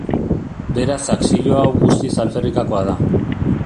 Beraz akzio hau guztiz alferrikakoa da.